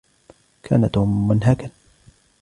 كان توم منهكا.